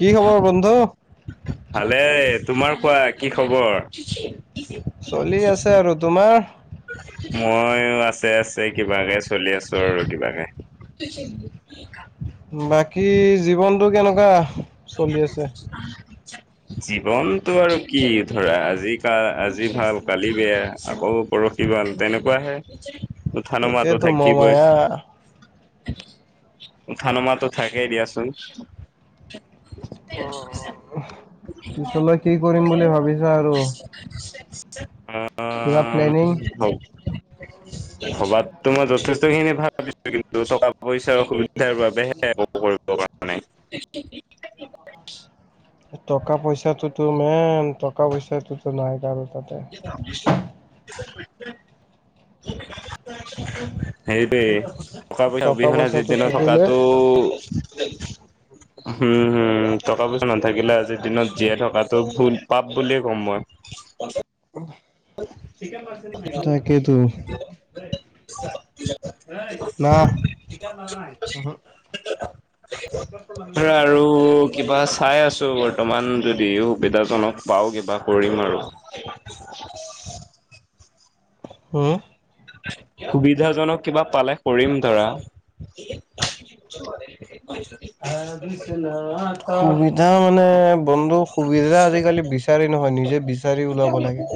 কি খবৰ বন্ধু? ভালে, তোমাৰ কোৱা? কি খবৰ? চলি আছে আৰু। তোমাৰ? মইও আছে আছে কিবাকে চলি আছো আৰু কিবাকে। বাকী জীৱনটো কেনেকুৱা চলি আছে? জীৱনটো, আৰু কি। ধৰা আজি কা আজি ভাল, কালি বেয়া আকৌ পৰহি ভাল তেনেকুৱাহে। উঠা নোমা তো এতিয়াতো থাকিবই। মমায়া উঠা নমাহ টো থাকেই দিয়াচোন। অঁ পিছলৈ কি কৰিম বুলি ভাবিছা আৰু অ কিবা হ প্লেনিং? [inaudible] ভবাততো মই যথেষ্ট খিনি ভাবিছো কিন্তু টকা পইচাৰ সুবিধাৰ বাবেহে কৰিব পৰা নাই। টকা পইচাটোতো মেন টকা পইচাটোতো নাই ত ৰােশৰ [inaudible] সেইবাবেই টকা পইচা অবিহনে আজিৰ পইচাটো দিন থাকিলে থকাতটো। হম হম টকা পইচা নাথাকিলে আজিৰ দিনত জীয়াই থকাটো ভুল পাপ বুলিয়ে ক'ম মই। [unintelligible] তাকেইতো। নাহ [inaudible] ধৰা আৰু, কিবা। চাই আছোঁ বৰ্তমান যদি সুবিধাজনক পাওঁ কিবা কৰিম আৰু। [unintelligible] হম? সুবিধাজনক কিবা পালে কৰিম ধৰা। [unintelligible] সুবিধা মানে বন্ধুৰ সুবিধা আজিকালি বিচাৰি নহয় নিজে বিচাৰি ওলাব লাগে।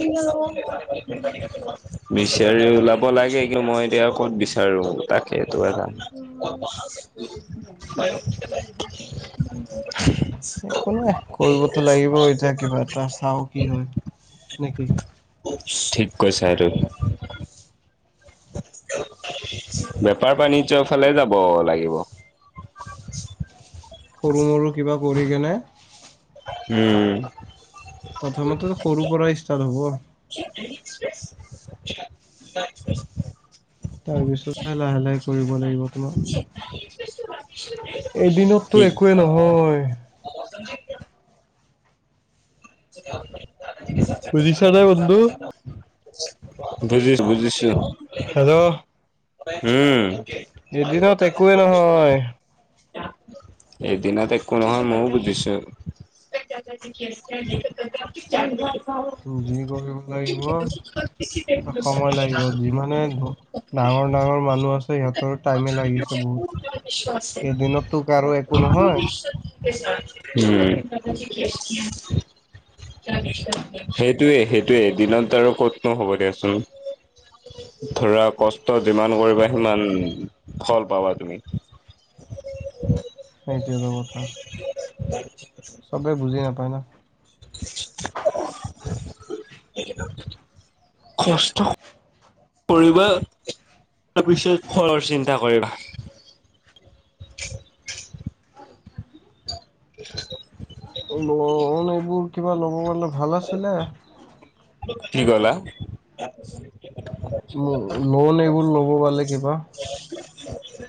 বিচাৰি ওলাব লাগে কিন্তু মই এতিয়া ক'ত বিচাৰো তাকে। [unintelligible] কোনে? কৰিবতো লাগিবই, এতিয়া কিবা এটা চাওঁ কি হয়, নেকি। ঠিক কৈছে আৰু। বেপাৰ বাণিজ্যৰ ফালে যাব লাগিব। সৰু মৰু কিবা কৰি কেনে উম। প্ৰথমতেটো সৰুৰ পৰাই ষ্টাৰ্ট হ'ব। [unintelligible] তাৰপিছতহে লাহে লাহে কৰিব লাগিব তোমাৰ। এদিনততো কি একোৱেই নহয়। বুজিছা নে বন্ধু বুজিছোঁ, বুজিছোঁ। হেল্ল'? উম। এদিনত একোৱেই নহয়। এদিনত একো নহয় ময়ও বুজিছো। [unintelligible] যি কৰিব লাগিব। সময় লাগিব যিমানে ডাঙৰ ডাঙৰ মানুহ আছে, সিহঁতৰ টাইমে লাগিছে বহুত। [unintelligible] উম এদিনতো কাৰো একো নহয় [unintelligible] সেইটোৱে, সেইটোৱে, দিনত আৰু ক'তনো হ'ব দিয়চোন। ধৰা কষ্ট যিমান কৰিবা, সিমান ফল পাবা তুমি। [unintelligible] সেইটোৱে টো কথা। [unintelligible] চবে বুজি নাপায় ন। কষ্ট কৰিবা তাৰপিছত ঘৰৰ চিন্তা কৰিবা। [unintelligible] লোন এইবোৰ কিবা ল'ব গ'লে ভাল আছিলে। কি ক'লা? লোন এইবোৰ ল'ব পাৰিলে কিবা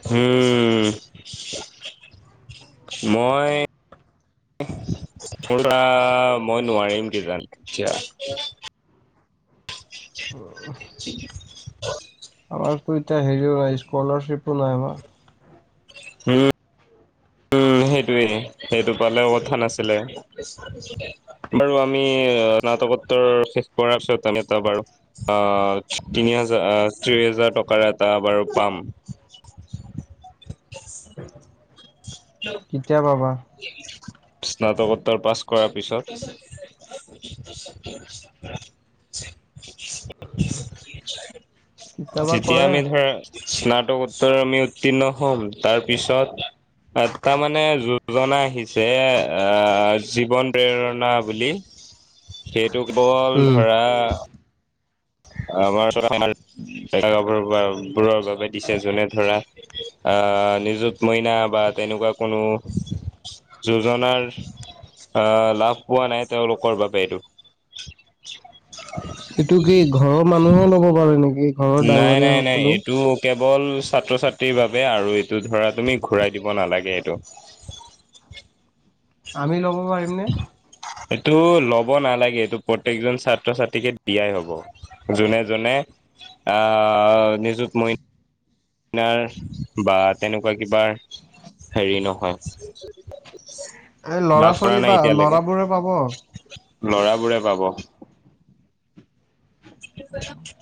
হম মই মৰা মই নোৱাৰিম কিজান এতিয়া। [unintelligible] তোৰ এতিয়া হেৰিয়ৱৰা স্কলাৰশ্বিপো নাই হোৱা। উম। সেইটোয়ে সেইটো পালেও কথা নাছিলে। বাৰু আমি [unintelligible] এটা বাৰু পাম। [unintelligible] কেতিয়া পাবা? স্নাতকোত্তৰ পাছ কৰাৰ পিছত [unintelligible] কেতিয়াবা তেতিয়া, কৰে। আমি ধৰা স্নাতকোত্তৰ আমি উত্তীৰ্ণ হ'ম তাৰ পিছত টাৰ মানে। [unintelligible] আহিছে আঁ জীৱন প্ৰেৰণা বুলি। সেইটো কেৱল উম, ধৰা আমাৰ, আমাৰবোৰৰ বাবে দিছে যোনে ধৰা অ'! নিযুত মইনা বা তেনেকুৱা কোনো যোজনাৰ আহ লাভ পোৱা নাই। তেওঁলোকৰ বাবে এইটো। সেইটো কি ঘৰৰ মানুহো ল'ব পাৰে নেকি? ঘৰৰ নাই ডাঙৰীয়া নাই নাই সকলেও? এইটো কেৱল ছাত্ৰ ছাত্ৰীৰ বাবে আৰু এইটো ধৰা তুমি ঘূৰাই দিব নালাগে এইটো। আমি ল'ব পাৰিম নে? এইটো ল'ব নালাগে। এইটো প্ৰত্যেকজন ছাত্ৰ ছাত্ৰীকে দিয়াই হ'ব। যোনে যোনে আহ নিজুত মইনা বা তেনেকুৱা কিবাৰ হেৰি নহয়। এ ল'ৰা লাভ কৰা ছোৱালী নাই বা এতিয়ালৈকে ল'ৰাবোৰে পাব। লৰাবোৰে পাব।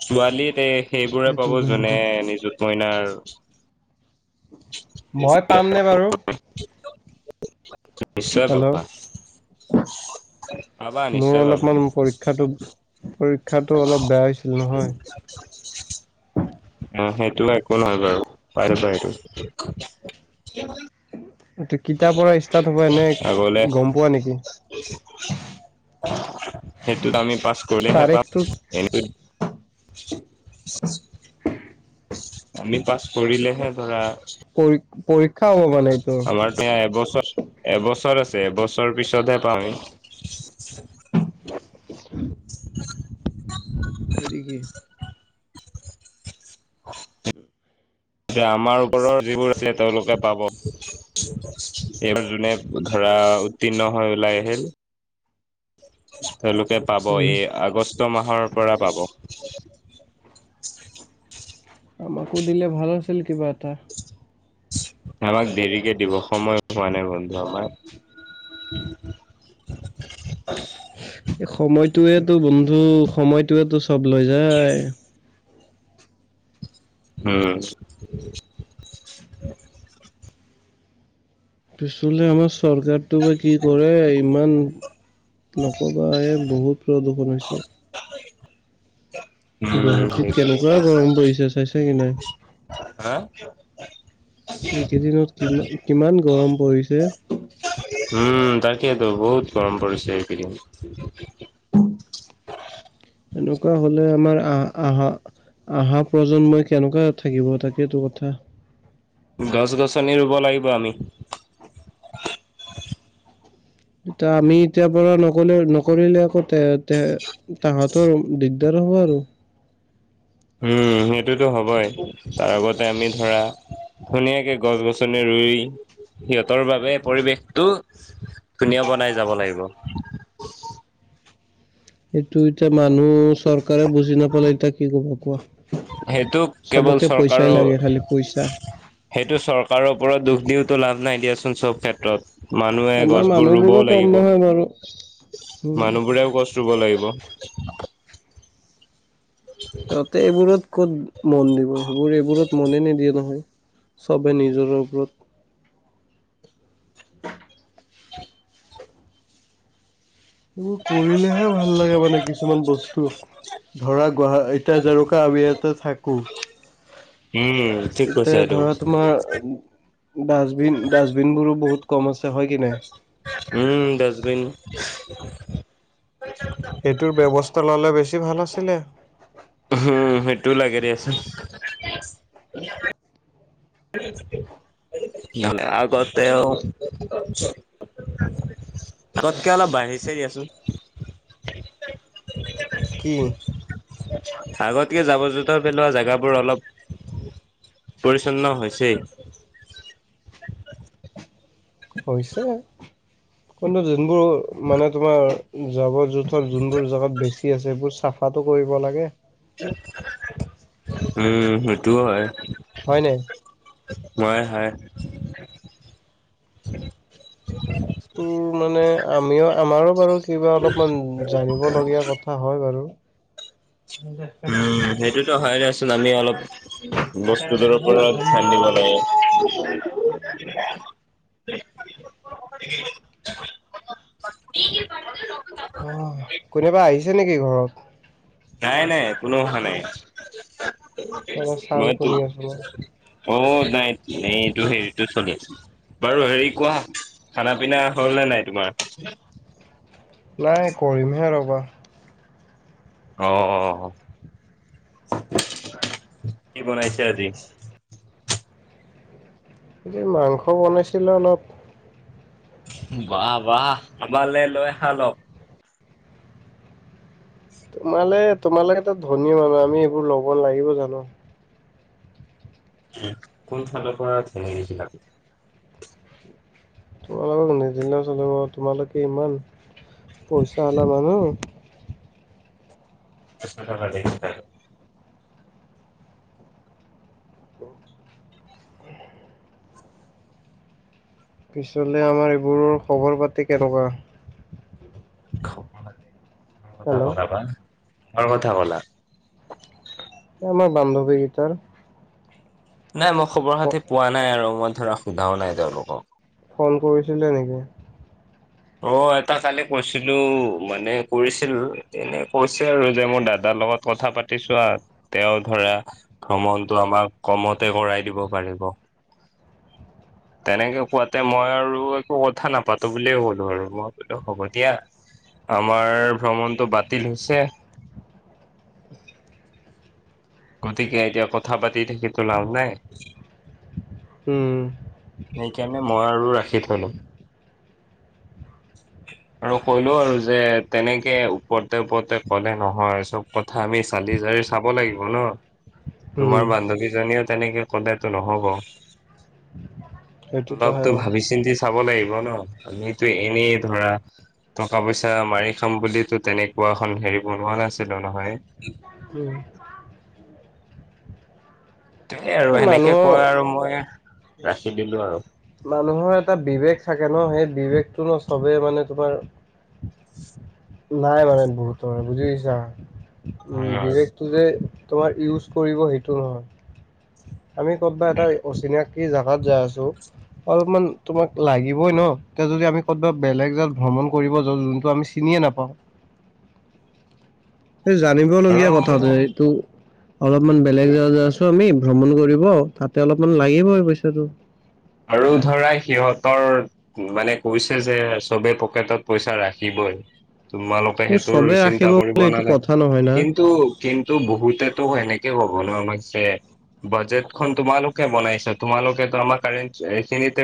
ছোৱালীত এই সেইবোৰে সেইটো পাব যোনে নিযুত মইনা আৰু [inaudible] মই পাম নে বাৰু? নিশ্চয় হেল্ল' পাবা পাবা মোৰ নিশ্চয় পাবা অলপমান পৰীক্ষাটো পৰী ক্ষাটো অলপ বেয়া হৈছিল নহয় অ সেইটো একো নহয় বাৰু পাৰিবা এইটো এইটো কেতিয়াৰ পৰা ষ্টাৰ্ট হ'ব এনে আগলে গম পোৱা নেকি? সেইটোত আমি পাছ কৰিলেহে পাম তাৰিখটো [unintelligible] আমি পাছ কৰিলেহে ধৰা [unintelligible] এইটোৰ হয় আমাৰ এতিয়া এবছৰ এবছৰ আছ ছে এবছৰ পিছতহে পাম আমি [unintelligible] [inaudible] কি কি উম যে আমাৰ ওপৰৰ যিবোৰ আছে তেওঁলোকে পাব এইবোৰ যোনে ধৰা উত্তীৰ্ণ হৈ ওলাই আহিল [inaudible] তেওঁলোকে পাব উম এই আগষ্ আগষ্ট মাহৰ পৰা পাব আমাকো দিলে ভাল আছিল কিবা এটা আমাক দেৰিকে দিব সময় হোৱা নাই বন্ধু আমাৰ [unintelligible] এ সময়টোৱেটো বন্ধু সময়টোৱেতো চব লৈ যায় [unintelligible] পিছলে আমাৰ চৰকাৰটো বা কি কৰে ইমান নকবা এ বহুত প্ৰদূষণ হৈছে। গুৱাহাটীত উম কেনেকুৱা গৰম পৰিছে চাইছে কি নাই। হা? এইকেইদিনত কিমান কিমান গৰম পৰিছে। উম তাকেইতো বহুত গৰম পৰিছে এইকেইদিন। এনেকুৱা হলে আমাৰ আহ আহা। অহা প্ৰজন্মই কেনেকুৱা থাকিব তাকেটো কথা। গছ গছনি ৰুব লাগিব আমি। ইতা আমি এতিয়াৰ পৰা নকলে নকৰিলে আকৌ তে তে তাহত তৰ দিগদাৰ হ'ব আৰু। উম সেইটোতো হবই তাৰ আগতে আমি ধৰা ধুনীয়াকে গছ-গছনি ৰু ৰুই সিহঁতৰ বাবে পৰিৱেশটো ধুনীয়া বনাই যাব লাগিব। [inaudible] সেইটো এতিয়া মানুহ চৰকাৰে বুজি নাপালে এতিয়া কি ক'বা কোৱা? সেইটো কেৱল চবকে পইচাই লাগে চৰকাৰৰ খালি পইচা সেইটো চৰকাৰৰ ওৰত দুখ দিওতো লাভ নাই দিয়াচোন চব ক্ষেত্ৰত। মানুহে আমাৰ গছবোৰ ৰুব মানুহবোৰো কম লাগিব। নহয় বাৰু উম মানুহবোৰেও গছ ৰুব লাগিব। [inaudible] ৰতে এইবোৰত ক'ত মন দিব, সেইবোৰ এইবোৰত মনে নিদিয়ে নহয়, চবে নিজৰ ওপৰত এইবোৰ কৰিলেহে ভাল লাগে মানে কিছুমান বস্তু। ধৰা গুৱা এতিয়া জৰকা, আমি ইয়াতে থাকো। উম, ঠিক কৈছা এতিয়া এইটো। ধৰা, তোমাৰ ডাষ্টবিন ডাষ্টবিনবোৰো বহুত কম আছে হয় কি নাই। উম, ডাষ্টবিন। সেইটোৰ ব্যৱস্থা ল'লে, বেছি ভাল আছিলে। উম, সেইটো [unintelligible] [unintelligible] নে আগতেও। আগতকে, অলপ বাঢ়িছে দিয়াচোন। কি? আগতকে জাৱৰ জোথৰ পেলোৱা জাগাবোৰ অলপ, পৰিষ্ক বিচ্ছন্ন হৈছে। হৈছে কিন্তু যোনবোৰ মানে তোমাৰ জাৱৰ জোথৰ যোনবোৰ জাগাত বেছি আছে, সেইবোৰ চাফাটো কৰিব লাগে। উম, সেইটোও হয়। হয় নাই? মই, হয়। উ। মানে আমিও আমাৰো বাৰু কিবা অলপমান জানিব লগগীয়া কথা হয় বাৰু। উম, সেইটোতো হয় নচোন। আমি অলপ, বস্তুটোৰ ওপৰত ধ্যান দিব লাগে। হয়। [unintelligible] [unintelligible] অ', কোনোবা আহিছে নেকি ঘৰত? নাই নাই কোনো অহা নাই। মানে চাউণ্ড শুনি আছো মই। অ', নাই হেৰি-হেৰিটো চলি আছে। বাৰু হেৰি কোৱা খানা পিনা হ'ল নে নাই তোমাৰ? নাই কৰিমহে ৰ'বা আহ অ'। কি বনাইছে আজি? এ মাংস বনাইছিলো অলপ। বাহ, বাহ, আমালে লৈ আহা অলপ। তোমালে তোমালোকেতো ধুনীয়া হ'বা, আমি এইবোৰ ল'ব লাগিব জানো? উম, কোন ফালৰ পৰা ধনী হৈছিলা? তোমালোকক নিদিলেও চলিব, তোমালোকে ইমান পইচা [unintelligible] মানুহ। একাৰ দেখ [unintelligible] পিছলে, আমাৰ এইবোৰৰ খবৰ পাতি কেনেকুৱা? ব কি কথা হেল্ল' কলা বা কাৰ কথা ক'লা? আমাৰ বান্ধৱী গীতাৰ নাই মই খবৰ খাতি পোৱা নাই আৰু মই ধৰা সোধাও নাই তেওঁলোকক। ফোন কৰিছিলে নেকি? অ', এটা কালি কৈছিলো। মানে কৰিছিল, এনে কৈছে আৰু যে মোৰ দাদা লগত কথা পাতি ছোৱা, তেওঁ ধৰা ভ্ৰমণটো আমাক কমতে কৰাই দিব পাৰে। ক [unintelligible] তেনেকে কোৱাতে মই আৰু একো কথা নাপাতো বুলিয়ে ক'লো, আৰু মই বোলো হ'ব দিয়া। আমাৰ ভ্ৰমণটো বাতিল হৈছে। [inaudible] গতিকে এতিয়া কথা পাতি থাকি তো লাভ নাই। উম। সেইকাৰণে, মই আৰু ৰাখি থ'লো। [inaudible] আৰু কৰিলো আৰু যে তেনেকে ওপৰতে ওপৰতে ক'লে নহয় চব কথা আমি চালি দিযাৰি চাব লাগিব ন। উম তোমাৰ বান্ধৱীজনীয়েও তেনেকে কলেতো নহ'ব। সেইটোতো হয় অলপতো বাৰু ভাবি চিন্তি চাব লাগিব ন আমিতো এনেই ধৰা টকা পইচা মাৰি খাম বুলিলিতো, তেনেকুৱা এখন হেৰি বনোৱা নাছিলো নহয়। [inaudible] তাকে আৰু এই সেনেকে মানুহৰ কয় আৰু মই ৰাখি দিলো আৰু। মানুহৰ এটা বিবেক থাকে ন। সেই বিবেকটো ন, চবেই মানে তোমাৰ নাই মানে বহুতৰ বুজি পাইছা হয় উ বিবেকটো যে তোমাৰ ইউজ কৰিব সেইটো নহয়। আমি ক'তবা এটা আৰু অচিনাকি জোগাত যাই আছো অলপমান তোমাক লাগিবই ন এতিয়া যদি আমি ক'বা বেলেগ জাত ভ্ৰমণ কৰিব য যোনটো আমি নিয়ে নাপাওঁ। এই জানিব লগগীয়া কথা যে এইটো অলপমান বেলেগ জেগা যায় আছো আমি ভ্ৰমণ কৰিব তাতে অলপমান লাগিবই পইচাটো। আৰু ধৰা সিহঁতৰ মানে কৈছে যে চবে পকেটত পইচা ৰাখিব হয়। তোমালোকে কিন্তু সেইটোৰ চবে ৰাখিব চিন্তা বোলে কৰিব এইটো কথা নালাগে। নহয় না কিন্তু কিন্তু বহুতেতো সেনেকে কিয় ক'ব নো আমাক যে বাজেটখনন তোমালোকে বনাইছা। তোমালোকেতো আমাক এইখিনিতে